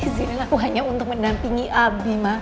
izinlah aku hanya untuk menampingi abi ma